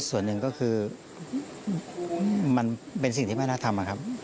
ส่วนหนึ่งก็คือมันเป็นสิ่งที่ไม่น่าทำนะครับ